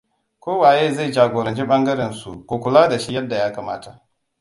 Ko waye zai jagoranci ɓangaren su, ku kula da shi yadda ya kamata.